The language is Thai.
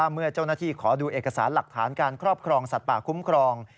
เมื่อเจ้าหน้าที่ขอดูเอกสารหลักฐานการครอบครองสัตว์ป่าคุ้มครอง